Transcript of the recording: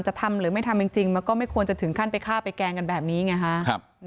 ทำหรือไม่ทำจริงมันก็ไม่ควรจะถึงขั้นไปฆ่าไปแกล้งกันแบบนี้ไงฮะ